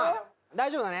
大丈夫だね？